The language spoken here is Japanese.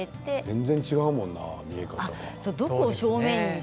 全然違うもんな見え方が。